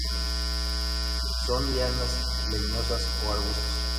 Son lianas leñosas o arbustos.